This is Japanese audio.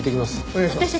お願いします。